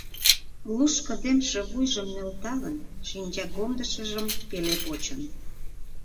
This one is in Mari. Лушкыдемше вуйжым нӧлталын, шинчагомдышыжым пеле почын.